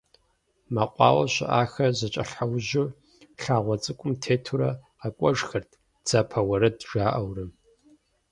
Мэкъуауэ щыӏахэр зэкӏэлъхьэужьу лъагъуэ цӏыкӏум тетурэ къэкӏуэжхэрт дзапэ уэрэд жаӏэурэ.